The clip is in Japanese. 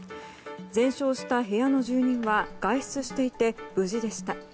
全焼した部屋の住民は外出していて、無事でした。